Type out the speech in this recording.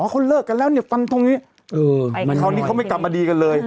เขาเลิกกันแล้วเนี่ยฟันตรงนี้คราวนี้เขาไม่กลับมาดีกันเลย